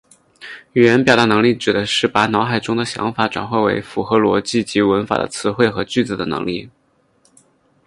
语言表达能力指的是把脑海中的想法转换为符合逻辑及文法的词汇和句子的能力。